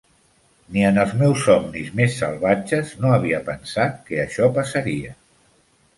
Ni en els meus somnis més salvatges no havia pensat que això passaria.